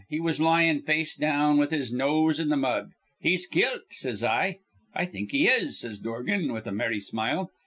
He was lyin' face down, with his nose in th' mud. 'He's kilt,' says I. 'I think he is,' says Dorgan, with a merry smile.